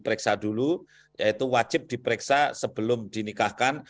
periksa dulu yaitu wajib diperiksa sebelum dinikahkan